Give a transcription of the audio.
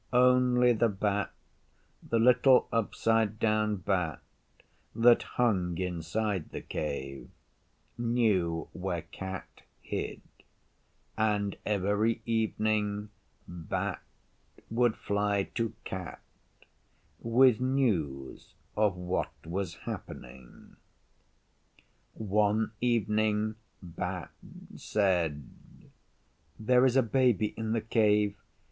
Only the Bat the little upside down Bat that hung inside the Cave, knew where Cat hid; and every evening Bat would fly to Cat with news of what was happening. One evening Bat said, 'There is a Baby in the Cave.